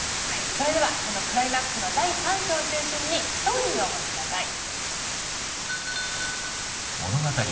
それではそのクライマックスの第３章を中心にストーリーをご覧下さい。